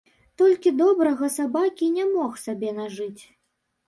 Толькі добрага сабакі не мог сабе нажыць.